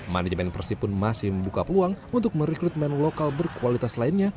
manajemen persib pun masih membuka peluang untuk merekrutmen lokal berkualitas lainnya